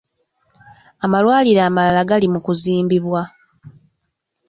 Amalwaliro amalala gali mu kuzimbibwa.